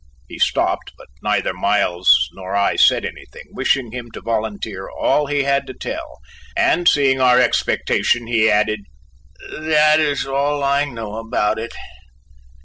He stopped but neither Miles nor I said anything, wishing him to volunteer all he had to tell, and seeing our expectation he added: "That is all I know about it."